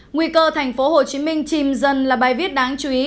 nguy cơ tp hcm chìm dần là bài viết đáng chú ý